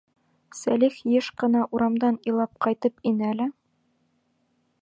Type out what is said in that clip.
Сәлих йыш ҡына урамдан илап ҡайтып инә лә: